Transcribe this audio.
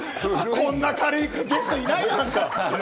こんな軽いゲストいないです